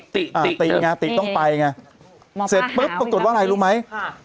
ติติไงติต้องไปไงเสร็จปุ๊บปรากฏว่าอะไรรู้ไหมค่ะ